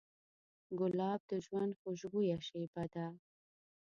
ګلاب د ژوند خوشبویه شیبه ده.